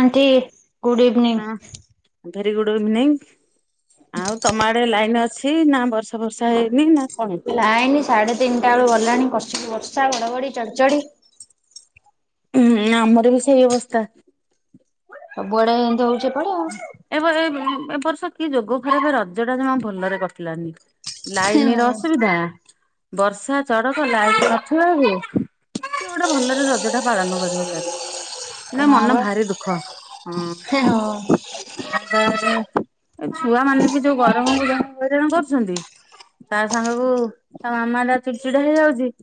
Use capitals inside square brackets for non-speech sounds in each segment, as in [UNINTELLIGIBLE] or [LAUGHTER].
Anti good evening. ହଁ very good evening ଆଉ ତମ ଆଡେ ଲାଇନ ଅଛି ନା ବର୍ଷା ବର୍ଷା ହେଇନି ନା କଣ? ଲାଇନି ସାଢେ ତିନିଟା ବେଳୁ ଗଲାଣି କସିକି ବର୍ଷା ଘଡ଼ଘଡ଼ି ଚଡଚଡ଼ି ହୁଁ ଆମର ବି ସେଇ ଅବସ୍ଥା ସବୁଆଡେ ଏମିତି ହଉଛି ଏପଡେ ଆଉ ଏବେ ଏ ବର୍ଷ କି ଯୋଗ ଫାଇ ରଜ ଟା ଜମା ଭଲରେ କଟିଲାନି ଲାଇନ ର ଅସୁବିଧା ବର୍ଷା ଚଢକ ଲାଇଟ୍ ନଥିବା କୁ କିଛି ଗୋଟେ ଭଲରେ ରଜ ପାଳନ କରିହଲାଣିି ନା ହଁ ମନ ବା ଭାରି ଦୁଃଖ ହଁ। ଏ ଛୁଆ ମାନେ ବି ଯୋଉ ଗରମଙ୍କୁ ଜଣ ହଇରାଣ କରୁଛନ୍ତି। ତା ସାଙ୍ଗକୁ ତା ମାମା ଟା ଚିଡ଼ଚିଡା ହେଇଯାଉଛି।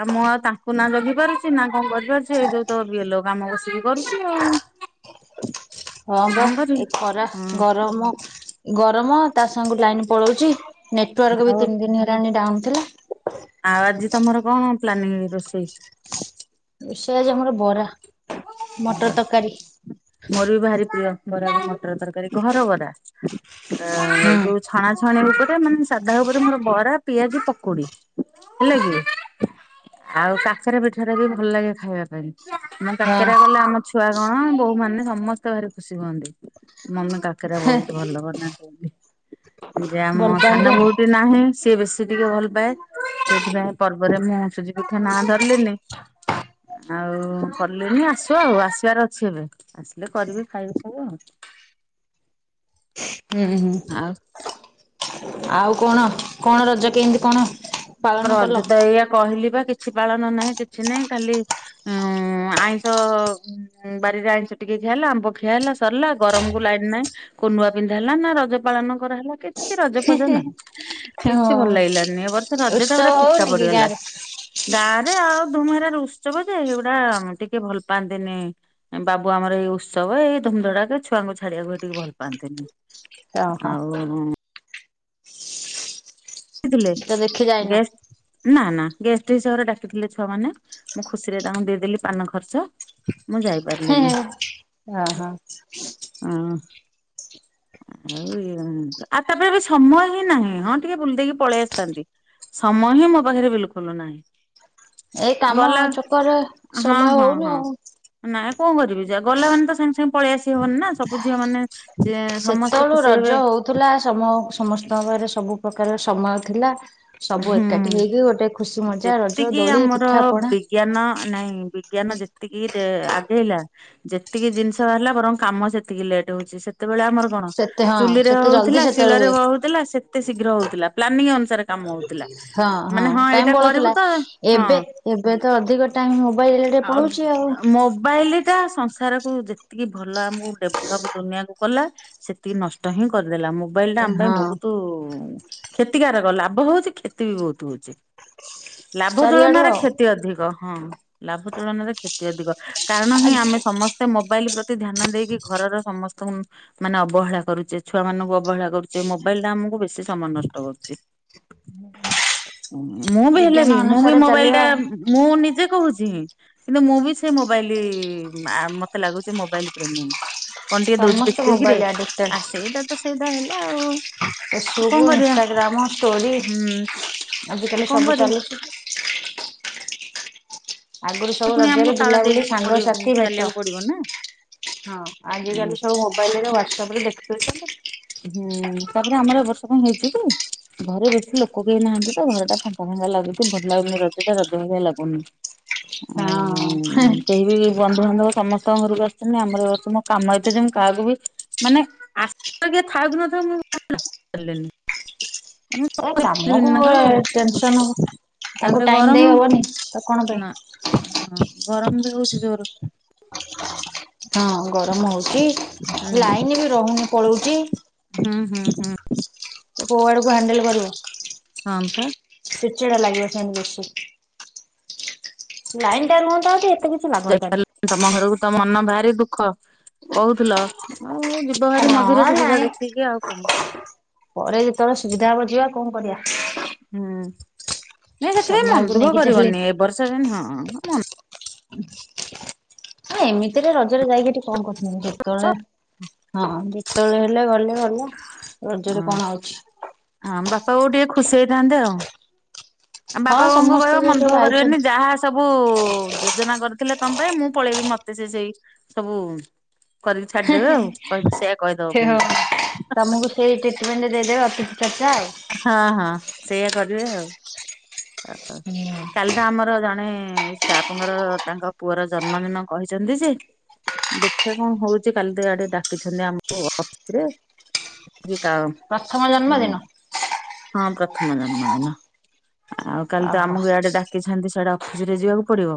ଆଉ ମୁଁ ଆଉ ତାଙ୍କୁ ନାଁ ଜଗି ପାରୁଛି। ନା କଣ କରିପାରୁଛି ଯୋଉ ତ ବିଲ କାମ ବଷିକି କରୁଛି ଆଉ। ହଁ ବା କଣ କରିବି ଏ ଖରା ହଁ ଗରମ ଗରମ ତା ସାଙ୍ଗକୁ ଲାଇନ ପଳଉଛି ନେଟୱାର୍କ ବି ଆଉ ତିନି ଦିନ ହେଲାଣି ଡାଉନ ଥିଲା। ଆଉ ଆଜି ତମର କଣ ପ୍ଲାନିଂ ରୋଷେଇ? ରୋଷେଇ ଆଜି ଆମର ବରା। ମଟର [UNINTELLIGIBLE] ତରକାରୀ ମୋର ବି ଭାରି ପ୍ରିୟ ବରା ମଟର ତରକାରୀ ଘର ବରା। ହୁଁ। ଯୋଉ ଛଣା ଛଣି ଉପରେ ମାନେ ସାଧା ଉପରେ ମୋର ବରା ପିଆଜି, ପକୁଡି। ହେଲା କି, ଆଉ କାକରା ପିଠାଟି ବି ଭଲ ଲାଗେ ଖାଇବା ପାଇଁ। ଆମ କାକରା ହଁ ଗଲେ ଆମ ଛୁଆ କଣ ବୋଉ ମାନ ସମସ୍ତେ ଭାରି ଖୁସି ହୁଅନ୍ତି? ମମେ କା- କାକରା ବହୁତ ଭଲ ବନାନ୍ତି। ଯେ ଆମ ଭଲ ସାନ ପାଆନ୍ତି ବୋହୂ ତ ସେ ନାହିଁ ସିଏ ବେଶୀ ଟିକେ ଭଲ ପାଏ। ସେଥିପାଇଁ ପର୍ବରେ ମୁଁ ସୁଜି ପିଠା ନାଁ ଧରିଲେନି। ଆଉ କଲେନି ଆସିବ ଆଉ ଆସିବାର ଅଛି ଏବେ, ଆସିଲେ କରିବି ଖାଇବ ସବୁ ଆଉ। ହୁଁ ହୁଁ ଆଉ? ଆଉ କଣ କଣ ରଜ କେମିତି କଣ? ପାଳନ କଲ? ରଜତ ଏଇଆ କହିଲି ବା କିଛି ପାଳନ ନାହିଁ କିଛି ନାହିଁ କାଲି ଉଁ ଆଇଁଷ ବାରିରେ ଆଇଁଷ ଟିକେ ଖିଆ ହେଲା ଆମ୍ବ ଖିଆ ହେଲା। ସରିଲା ଗରମ କୁ ଲାଇନ ନାଇଁ କୋଉ ନୁଆ ପିନ୍ଧା ହେଲା ନା ରଜ ପାଳନ କରାହେଲାକି କିଛି ରଜ ଫଜ ନାହିଁ କିଛି ଭଲ ହଁ ଲାଗିଲାନି ଏ ବର୍ଷ ରଜ ଟା ଉତ୍ସବ ପୁରା ଫିକା ହଉନି କି ପଡିଗଲା। ଗାଁରେ? ଗାଁ ରେ ଆଉ ଧୁମେହେରା ଉତ୍ସବ ଯେ ଏଇଗୁଡା ଟିକେ ଭଲ ପାଆନ୍ତିନି। ବାବୁ ଆମର ଏଇ ଉତ୍ସବ ଏଇ ଧୁମଧୋରାକ ଛୁଆଙ୍କୁ ଛାଡିବାକୁ ହେଇଟିକି ଭଲ ପାଆନ୍ତିନି। ଓହୋ। ଆଉ କି ଥିଲେ ତ ଦେଖି ଯାଇନ? ଗେଷ୍ଟ୍ ନା ନା ଗେଷ୍ଟ ହିସାବରେ ଡାକିଥିଲେ ଛୁଆ ମାନେ ମୁଁ ଖୁସିରେ ତାଙ୍କୁ ଦେଇଦେଲି ପାନ ଖର୍ଚ୍ଚ। ମୁଁ ହେ ଯାଇପାରିଲିନି ହେ ହଁ ହଁ। ଅଁ ଆଉ ଇଏ ଆଉ ତାପରେ ଏ ବି ସମୟ ହିଁ ନାହିଁ ହଁ ଟିକେ ବୁଲି ଦେଇକି ପଳେଇ ଆସିଥାନ୍ତି, ସମୟ ହିଁ ମୋ ପାଖରେ ବିଲକୁଲ ନାହିଁ। ଏଇ କାମ ଗଲା ଚକରେ ହଁ ସମୟ ହଁ ହଉନି ହଁ ଆଉ। ନାଇଁ କଁ କରିବି ଯା ଗଲା ମାନେ ତ ସାଙ୍ଗେ ସାଙ୍ଗେ ପଳେଇ ଆସି ହବନି ନା ସବୁଝିଅ ମାନେ ଯେ ସମସ୍ତେ ଖୁସି ହେବେ ଥିଲା ସମ ସମସ୍ତଙ୍କ ପାଖରେ ସବୁ ପ୍ରକାର ସମୟ ଥିଲା ସବୁ ଏକାଠି ହୁଁ ହେଇକି ଗୋଟେ ଖୁସି ମଜା ରଜ ଦୋଳି, ପିଠା, ପଣା ଜ୍ଞାନ ନାଇଁ ବିଜ୍ଞାନ ଯେତିକି ଡେ ଆଗେଇଲା ଯେତିକି ଜିନିଷ ବାହାରିଲା ବରଂ କାମ ସେତିକି ଲେଟ୍ ହଉଚି ସେତବେଳେ ଆମର କଣ ସେତେ ହଁ ଚୁଲିରେ ସେତେ ଜଲଦି ହଉଥିଲା, ସେତେବେଳେ ଶିଳରେ ହୁଏ ହଉଥିଲା ସେତେ ଶୀଘ୍ର ହଉଥିଲା ପ୍ଲାନିଂ ଅନୁସାରେ କାମ ହଉଥିଲା। ହଁ ହଁ ମାନେ ଟାଇମ ଏଇଟା କରିବୁ ବଳୁଥିଲା ତ ହଁ ଏବେ ଏବେ ତ ଅଧିକ ଟାଇମ ମୋବାଇଲରେ ଆଉ ପଳଉ ମୋବାଇଲ ଟା ସଂ ରକୁ ଯେତିକି ଭଲ ଆମକୁ ଡେଭଲପ ଦୁନିଆକୁ କଲା ସେତିକି ନଷ୍ଟ ହିଁ କରିଦଲା ଆମକୁ। ମୋବାଇଲ ଟା ଆମ ପାଇଁ ହଁ। ବହୁତ କ୍ଷତିକାରକ‌ ଲାଭ ହଉଚି କ୍ଷତି ବି ବହୁତ ହଉଚି। ଲାଭ ଚାରିଆଡୁ ତୁଳନାର ଆଉ କ୍ଷତି ଅଧିକ ହଁ ଲାଭ ତୁଳନାର କ୍ଷତି ଅଧିକ। କାରଣ ହିଁ ଆମେ ସମସ୍ତେ ମୋବାଇଲ ପ୍ରତି ଧ୍ୟାନ ଦେଇକି ଘରର ସମସ୍ତ ମାନେ ଅବହେଳା କରୁଚେ ଛୁଆ ମାନଙ୍କୁ ଅବହେଳା କରୁଚେ ମୋବାଇଲ ଟା ଆମକୁ ବେଶୀ ସମୟ ନଷ୍ଟ କରୁଚି। [UNINTELLIGIBLE] ମୁଁ ବି ହେଲେ ବିଜ୍ଞାନ ବି ମୁଁ ବି ଅନୁସାରେ ମୋବାଇଲ ଚାଲିବା ଟା ଆଉ। ମୁଁ ନିଜେ କହୁଚି କିନ୍ତୁ ମୁଁ ବି ସେ ମୋବାଇଲ ଆ ମତେ ଲାଗୁଚି ମୋବାଇଲ ପ୍ରେମୀ। କଣ ଟିକେ ଦଉଚି ସମସ୍ତେ ଦେଖିଦଜବି କିରେ ମୋବାଇଲ ଆଡିକ୍ଟେଡ ଆ ସେଇଟା ତ ସେଇଟା ହେଲା ଆଉ। ଆଉ ଫେସବୁକ୍ କଣ କରିବା ଇନଷ୍ଟାଗ୍ରାମ ଷ୍ଟୋରି ହୁଁ। ଆଉ ଆଜିକାଲି କଣ ସବୁ କରିବା ଚାଲୁଚି। ଆଗରୁ ସବୁ ପୁଣି ଆମକୁ ରଜରେ ତାଳ ବୁଲାବୁଲି ଦେଇକି ପଡି ସାଙ୍ଗସାଥି ଭେଟ ଚାଲିବାକୁ ପଡିବ ନା। ହଁ ଆଜିକାଲି ସବୁ ମୋବାଇଲ ରେ ହ୍ଵାଟସଆପ ରେ ଦେଖିଦଉଛନ୍ତି। ହୁଁ ତାପରେ ଆମର ଏବ ବର୍ଷ କଁ ହେଇଚି କି ଘରେ ବେଶୀ ଲୋକ କେହି ନାହାଁନ୍ତି ତ ଘରଟା ଫା ଙ୍କା ଲାଗୁଚି ଭଲ ଲାଗୁନି ରଜ ଟା ରଜ ଭଳିଆ ଲାଗୁନି ଆଉ ହଁ କେହି ବି ବନ୍ଧୁବାନ୍ଧବ ସମସ୍ତଙ୍କ ଘରକୁ ଆସିଛନ୍ତି, ଆମର ଦେଖୁନୁ କାମ ଏତେ ଯେ ମୁଁ କାକୁ ବି ମାନେ ଆସ୍ଥା କିଏ ଥାଉକୁ ନଥାଉ ମୁଁ ମନାକଲିନି। ଏ କାମକୁ ଟେନସନ ହବ ତାପରେ ତାଙ୍କୁ ଟାଇମ ଗରମ ଦେଇ ହବନି ଆଉ କଣ ପାଇଁ ନା ହଁ ଗରମ ବି ହଉଚି ଜୋର। ହଁ ଗରମ ହଉଚି ହୁଁ ଲାଇନ ବି ରହୁନି ପଳଉଚି। ହୁଁ ହୁଁ ହୁଁ। କୋଉ ଆଡକୁ ହାଣ୍ଡେଲ କରିବୁ? ହଁ ପା। ଚିଡ୍ ଚିଡା ଲାଗିବ ସେମିତି ବେଶୀ। ଲାଇନ ଟା ରୁହନ୍ତା ଅଦି ଏତେ କିଛି ଲାଗନ୍ତାନି [UNINTELLIGIBLE] ତମ ଘରକୁ ତ ମନ ଭାରି ଦୁଃଖ କହୁଥିଲ ଆଉ ମୁଁ ଯି ଯିବ ଭାରି ହଁ ମଝିରେ ସୁବିଧା ନାଇଁ ଦେଖିକି ଆଉ କଣ ପରେ ଯେତେବେଳେ ସୁବିଧା ହବ ଯିବା କଣ କରିବା। ହୁଁ ନାଇ ସେଥିପାଇଁ ମନ ସମୟକୁ ଦୁଃଖ ନେଇକି ଚାଲିଲେ କରିବନି ଏ ବର୍ଷ [UNINTELLIGIBLE] ହଁ। ଏମିତିରେ ରଜରେ ଯାଇକି ଏଠି କଣ କରିଥାନ୍ତ ଯେତେବେଳେ ହଁ ଯେତେବେଳେ ହେଲେ ଗଲେ ଗଲା ରଜରେ କଣ ହଉଛି ହଁ ବାପା ବଉ ଟିକେ ଖୁସି ହେଇଥାନ୍ତେ ଆଉ। ଆ ହଁ ବାପା ବୋଉଙ୍କୁ କହିବ ସମସ୍ତେ ଯୋଉ ମନଦୁଖ କରିବେନି ଆଇଛନ୍ତି ଯାହା ଆ ସବୁ ଯୋଜନା କରିଥିଲେ ତମ ପାଇଁ ମୁଁ ପଳେଇବି ମତେ ସେ ସେଇ ସବୁ କରିକି ଛାଡିଦେବେ ଆଉ କ ସେଇୟା କହିଦବ ହେ ହ ବୋଉଙ୍କୁ। ତମକୁ ସେଇ ଟ୍ରିଟମେଣ୍ଟ ଦେଇଦେବେ ଅତିଥି ଚର୍ଚ୍ଚା ଆଉ। ହଁ ହଁ ସେଇଆା କରିବେ ଆଉ। [INAUDIBLE] କାଲି ତ ଆମର ଜଣେ ଷ୍ଟାପଙ୍କର ତାଙ୍କ ପୁଅର ଜନ୍ମଦିନ କହିଛନ୍ତି ଯେ ଦେଖିଆ କଣ ହଉଚି କାଲି ତ ଆଡେ ଡାକିଛନ୍ତି ଆମକୁ ଅଫିସରେ। ପ୍ରଥମ [INAUDIBLE] ଜନ୍ମଦିନ ହଁ ପ୍ରଥମ ଜନ୍ମଦିନ ଆଉ କାଲି ତ ଓହୋ ଆମକୁ ଇଆଡ଼େ ଡାକି ଛନ୍ତି ସିଆଡା ଅଫିସ ରେ ଯିବାକୁ ପଡିବ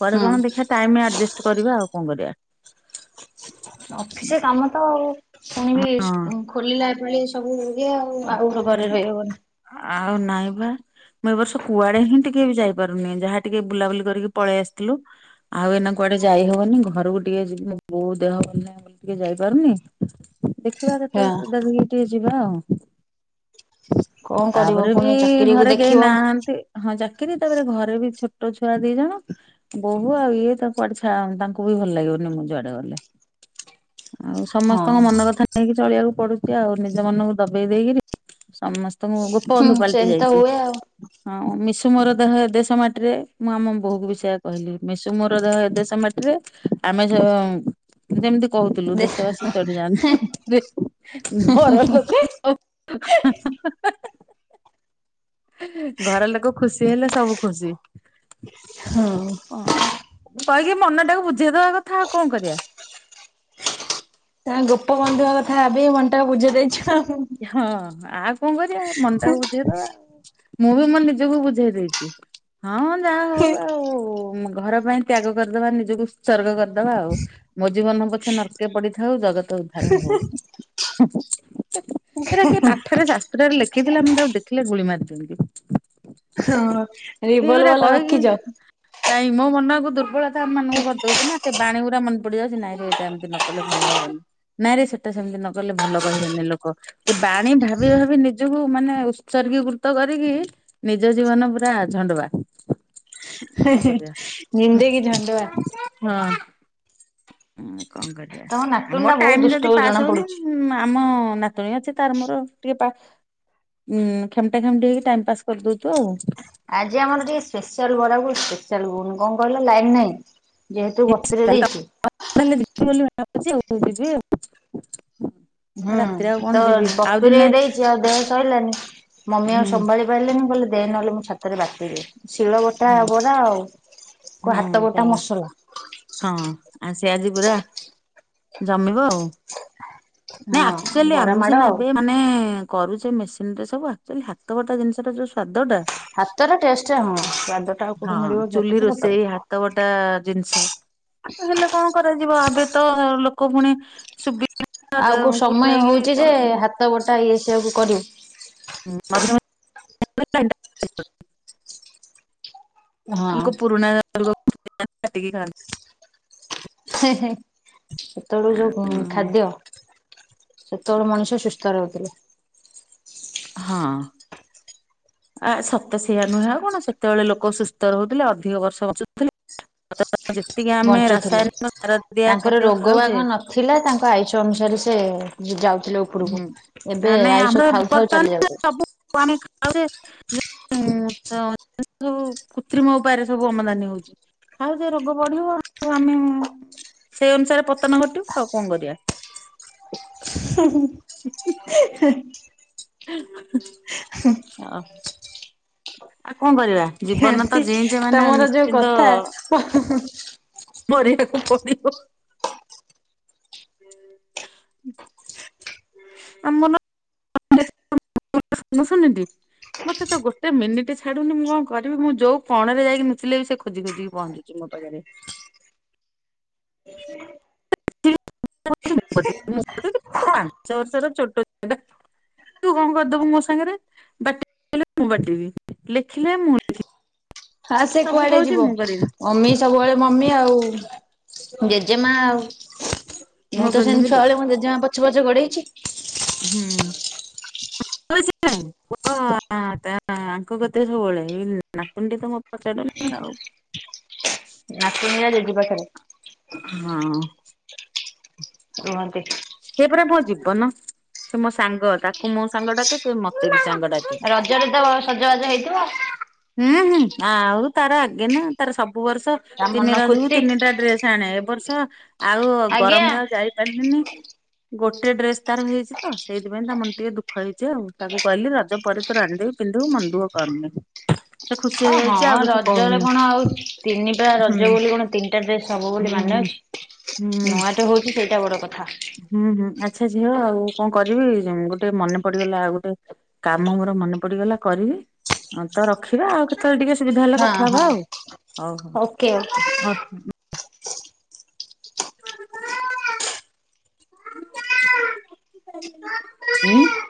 କୁଆଡେ ହୁଁ କଣ ଦେଖିଆ ଟାଇମ୍ ଆଡେଜଷ୍ଟ କରିବା ଆଉ କଣ କରିବା। ଅଫିସ କାମ ତ ଆଉ ହଁ। ଶୁଣିବି ଖୋଲିଲା ବେଳେ ସବୁ ହୁଏ ଆଉ। ଆଉ ଘରେ ରହିହବନି। ଆଉ ନାଇଁ ବା ମୁଁ ଏ ବର୍ଷ କୁଆଡେ ହିଁ ଟିକେ ବି ଯାଇପାରୁନି ଯାହା ଟିକେ ବୁଲାବୁଲି କରିକି ପଳେଆସିଥିଲୁ। ଆଉ ଏଇନା କୁଆଡେ ଯାଇହବନି ଘରକୁ ଟିକେ ଯିଵି ମୋ ବଉ ଦେହ ଭଲ ନାହିଁ। ଟିକେ ଯାଇପାରୁନି ଦେଖିବା ହଁ କେତେବେଳେ ସୁବିଧା ଦେଖିକି ଟିକେ ଯିବା ଆଉ। କଣ କରିବ ତାପରେ ବି ପୁଣି ଚାକିରିକୁ ଘରେ କେହି ଦେଖିବ ନାହାନ୍ତି। ହଁ ଚାକିରିୀ ତାପରେ ଘରେ ବି ଛୋଟ ଛୁଆ ଦି ଜଣ। ବୋହୁ ଆଉ ଇଏ ତ କୁଆଡେ ଛା ତାଙ୍କୁ ବି ଭଲ ଲାଗିବନି ମୁଁ ଯୁଆଡେ ଗଲେ। ଆଉ ସମସ୍ତଙ୍କ ହଁ ମନ କଥା ନେଇକି ଚଳିବାକୁ ପଡୁଛି ଆଉ ନିଜ ମନକୁ ଦବେଇ ଦେଇକରି ସମସ୍ତ ତ ମୁ ହୁଁ ଗୋପବନ୍ଧୁ ପାଲିଟି ସେମିତି ତ ଯାଇଛି। ହୁଏ ଆଉ। ହଁ ମିଶୁ ମୋର ଦେହ ଏ ଦେଶ ମାଟିରେ ମୁଁ ଆମ ବୋହୁ କୁ ବି ସେଇଆ କହିଲି। ମିଶୁ ମୋର ଦେହ ଏ ଦେଶ ମାଟିରେ ଆମେ [UNINTELLIGIBLE] ଯେମିତି କହୁଥିଲୁ ଦେ ଦେଶବାସୀ ଚଳି ଯାଆନ୍ତୁ ଘରଲୋକ [INAUDIBLE] ଘର ଲୋକ ଖୁସି ହେଲେ ସବୁ ଖୁସି। ହଁ। ହଁ କହିକି ମନ ଟାକୁ ବୁଝେଇଦବା କଥା ଆଉ କଣ କରିବା। ତା ଗୋପବନ୍ଧୁଙ୍କ କଥା ଭାବିକି ମନଟା ବୁଝେଇ ଦେଇଛ ଆଉ। ହଁ ଆଉ କଣ କରିବା ମନଟାକୁ ବୁଝେଇଦବା। ମୁଁ ବି ମୋ ନିଜକୁ ବୁଝେଇ ଦେଇଚି ହଁ ଯାହା ହଉ ହଁ ଆଉ ଘର ପାଇଁ ତ୍ୟାଗ କରିଦବା ନିଜକୁ ଉତ୍ସର୍ଗ କରିଦବା ଆଉ ମୋ ଜୀବନ ପଛେ ନର୍କେ ପଡିଥାଉ ଜଗତ ଉଦ୍ଧାର ହଉ [INAUDIBLE] ଏଇଟା କିଏ ପାଠରେ ସା ଟାରେ ଲେଖିଥିଲା ମୁଁ ତାକୁ ଦେଖିଲେ ଗୁଳି ମାରି ଦିଅନ୍ତି। ହଁ ରିବଲ ବଲ୍ ରଖିଚ? ନାଇଁ ମୋ ମନକୁ ଦୁର୍ବଳତା ଆମାନଙ୍କୁ କରିଦଉଛି ନା ସେ ବାଣୀ ଗୁରା ମନ ପଡିଯାଉଛି ନାଇଁ ଏଇଟା ଏମିତି ନ କଲେ ଭଲ ହବନି ନାଇଁରେ ସେଟା ସେମିତି ନ କଲେ ଭଲ କହିବେନି ଲୋ କ ଏ ବାଣୀ ଭାବି ଭାବି ନିଜକୁ ମାନେ ଉତ୍ସର୍ଗୀକୃତ କରିକି ନିଜ ଜୀବନ ପୁରା ଝଣ୍ଡବା। କଣ କରିବା ଜିନ୍ଦେଗି ଝଣ୍ଡୁଆ ହୁଁ ହଁ। ଉଁ କଣ କରିବା ତମ ନାତୁଣୀ ଆମ ଟା ବହୁତ ଟାଇମ ଦୁଷ୍ଟ ଯଦି ବୋଲି ପାସ୍ ଜଣା ହଉନି ପଡୁଛି। ଉ ଆମ ନା ତୁଣି ଅଛି ତାର ମୋର ଟିକେ ପା ଉଁ ଖେମଟା ଖେମଟି ହେଇକି ଟାଇମ ପାସ୍ କରିଦଉଛୁ ଆଉ। ଆଜି ଆମର ଟିକେ ସ୍ପେଶିଆଲ ବରା ଗୁ ସ୍ପେଶିଆଲ ଗୁଗୁନି କଣ କହିଲ ଲାଇନ ନାହିଁ? ଯେହେତୁ ବତୁରେଇ ଦେଇଛି ଭାବୁଚି [UNINTELLIGIBLE] ହୁଁ ତ ବତୁରେଇ ଦେଇଛି ଆଉ ଦେହ ସହିଲାନି ମମି ଆଉ ସମ୍ଭାଳି ପାଇଲେନି କହିଲେ ଦେ ନହେଲେ ମୁଁ ଛାତରେ ବାଟିଦିଏ। ଶିଳ ବଟା ହୁଁ ବରା ଆଉ ହଁ କୁ ହାତ ଯା ବଟା ମସଲା। ହଁ ଆ ସେ ଆଜି ପୁରା ଜମିବ ଆଉ। ନାଇଁ ହଁ ଆକ୍ଚୁଆଲି ବରା ଆମେ ମାଡ ସିନା ଆଉ ଏବେ ମାନେ କରୁଛେ ମେସିନରେ ସବୁ ଆକ୍ଚୁଆଲି ହାତବଟା ଜିନିଷର ଯୋଉ ସ୍ଵାଦ ଟା ହାତର ଟେଷ୍ଟ ହଁ ସୁଆଦ ହଁ ଚୁଲି ରୋଷେଇ ହାତ ବଟା ଜିନିଷ ହେଲେ କଣ କରାଯିବ ଏବେ ତ ଲୋକ ପୁଣି ସୁବି ଆଉ କୋଉ ସମୟ ହୋଉଛି ଯେ ହାତ ବଟା ଇଏ ସିଏ କୁ କରିବୁ। ହୁଁ ମଝିରେ ମ [INAUDIBLE] ହଁ। ଲୋକ ପୁରୁଣା [INAUDIBLE] ଟିକି ଖାଆନ୍ତି। ହେଁ ହେଁ ସେତେବେଳୁ ଯୋଉ କୁଁ ଖାଦ୍ୟ ସେତେବେଳେ ମଣିଷ ସୁସ୍ଥ ରହୁଥିଲେ। ହଁ। ଆ ସତ ସେଇୟା ନୁହେଁ ଆଉ କଣ ସେତେବେଳେ ଲୋକ ସୁସ୍ଥ ରହୁଥିଲେ ଅଧିକ ବର୍ଷ ବଞ୍ଚୁଥିଲେ। ଯେତିକି ଆମେ ବଞ୍ଚୁଥିଲେ। ରାସାୟନିକ ସାରଦିଆ ଖାଦ୍ୟ ଖାଉଛେ ଥିଲା ତାଙ୍କ ଆୟୁଷ ଅନୁସାରେ ସେ ଯାଉଥିଲେ ଉ ଉପରକୁ ହୁଁ ନା ଏବେ ନାଇଁ ଆମର ଆୟୁଷ ଥାଉ ଥାଉ ଚାଲି ବର୍ତ୍ତମାନ ଯାଉଛନ୍ତି। [UNINTELLIGIBLE] [INAUDIBLE] ସବୁ କୃତ୍ରିମ ଉପାୟରେ ସବୁ ଅମଦାନୀ ହଉଛି। ଖାଉଛ ରୋଗ ବଢିବ ଆଉ ଆମେ ସେଇ ଅନୁସାରେ ପତନ ଘଟିବ ଆଉ କଣ କରିବା। ହୁଁ ହୁଁ। [INAUDIBLE] [INAUDIBLE] ଅହଃ। ଆଉ କଣ କରିବା ଜୀବନ ଆଣ୍ଟି ତ ଜିଇଁଚେ ମାନେ ତମର ଯୋଉ ନିଶ୍ଚିନ୍ତ କଥା ମରିବାକୁ ପଡ଼ିବ। ଆମର [INAUDIBLE] ମୁଁ [UNINTELLIGIBLE] ମତେ ତ ଗୋଟେ ମିନିଟ୍ ଛାଡୁନି ମୁଁ କଣ କରିବି ମୁଁ ଯୋଉ କଣରେ ଯାଇକି ନୁଚିଲେ ବି ସେ ଖୋଜି ଖୋଜିିକି ପହଞ୍ଚିବ। ମୋ ପାଖରେ। [INAUDIBLE] ପାଞ୍ଚ ବର୍ଷର ଛୋଟ [INAUDIBLE] ତୁ କଣ କରିଦବୁ ମୋ ସାଙ୍ଗରେ ବାଟିଲେ ମୁଁ ବାଟିବି ଲେଖିଲେ ମୁଁ ଲେଖିବି। ହା ସେ କୁଆଡେ ଯିବ। କରିବି ମମି ସବୁବେଳେ ମମି ଆଉ। ଜେଜେମା ଆଉ। ମୁଁ ମୋ ତ ଗଲୁ ସେମିତି ହେଲୋ ଛୁଆବେେଳେ, ମୋ ଜେଜେମା ପଛେ ପଛେ ଗୋଡେଇଛି। ହୁଁ। ହ ଆଙ୍କ କତ ସବୁବେଳେଇ ନାତୁଣ୍ଡି ତ ମୋ ପାଚଡ ଆଉ [UNINTELLIGIBLE] ନାତୁଣି ଏଇନା ଜେଜେ ପାଖରେ। ହଁ। ରୁହନ୍ତି। ସେ ପରା ମୋ ଜୀବନ। ସେ ମୋ ସାଙ୍ଗ, ତାକୁ ମୁଁ ସାଙ୍ଗ ଡାକେ ସେ ମତେ ବି ସାଙ୍ଗ ଡାକେ। ରଜରେ ତ ବହେ ସଜବାଜ ହେଇଥିବ। ହୁଁ ହୁଁ, ଆଉ ତାର ଆଗେ ନା ତାର ସବୁ ବର୍ଷ ତା ତିନି ମନ ରଜକୁ ଖୁସି ତିନିଟା ଡ୍ରେସ ଆଣେ, ଏ ବର୍ଷ, ଆଉ ଆଜ୍ଞା। ଗରମରେ ଆଉ ଯାଇପାରିଲିନି। ଗୋଟେ ଡ୍ରେସ ତାର ହେଇଛି ତ, ସେଇଥିପାଇଁ ତା ମନ ଟିକେ ଦୁଃଖ ହେଇଛି ଆଉ ତାକୁ କହିଲି ରଜ ପରେ ତୋର ଆଣିଦେବି। ପିନ୍ଧିବୁ ମନ ଦୁଃଖ କରନି। ସେ ଖୁସି ଅ ହଁ, ହେଇଯାଇଛି ଆଉ କିଛି ରଜରେ କହୁନି କଣ ଆଉ ତିନିଟା ହୁଁ। ରଜ ବୋଲି କଣ ତିନିଟା ଡ୍ରେସ ହବ ବୋଲି ମାନେଅଛି। [INAUDIBLE] ନୂଆଟେ ହଉଛି ସେଇଟା ବଡ କଥା। ହୁଁ ହୁଁ, ଆଚ୍ଛା ଝିଅ ଆଉ କଣ କରିବି ଉଁ ଗୋଟେ ମନେ ପଡିଗଲା ଆଉ ଗୋଟେ କାମ ମୋର ମନେ ପଡିଗଲା କରିବି, ତ ରଖିବା ଆଉ କେତେବେଳେ ଟିକେ ସୁବିଧା ହେଲେ ହଁ କଥା ହଁ। ହବା ଆଉ, ଓକେ ହଉ ଓକେ। ହଉ। ଉଁ [UNINTELLIGIBLE]